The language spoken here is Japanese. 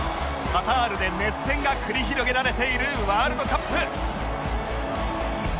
カタールで熱戦が繰り広げられているワールドカップ